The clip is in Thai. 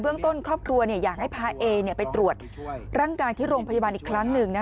ต้นครอบครัวอยากให้พาเอไปตรวจร่างกายที่โรงพยาบาลอีกครั้งหนึ่ง